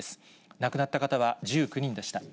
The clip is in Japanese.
亡くなった方は１９人でした。